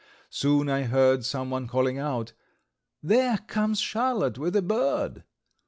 Soon I heard some one calling out: "There comes Charlotte with a bird."